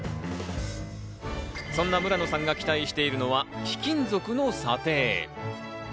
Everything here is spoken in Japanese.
そんな村野さんが期待しているのは貴金属の査定。